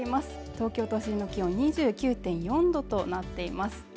東京都心の気温２９．４℃となっています。